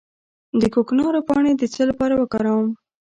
د کوکنارو پاڼې د څه لپاره وکاروم؟